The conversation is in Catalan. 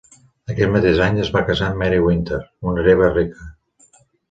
Aquest mateix any es va casar amb Mary Wynter, una hereva rica.